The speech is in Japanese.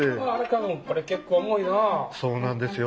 そうなんですよ。